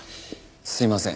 すいません。